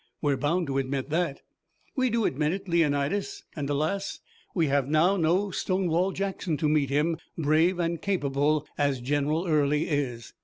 We're bound to admit that." "We do admit it, Leonidas, and alas! we have now no Stonewall Jackson to meet him, brave and capable as General Early is!"